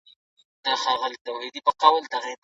احمد شاه ابدالي څنګه د ګاونډیو سره اړیکې پیاوړي کړي؟